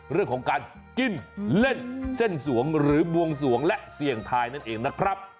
เรื่องของการกินเล่นเส้นสวงหรือบวงสวงและเสี่ยงทายนั่นเองนะครับ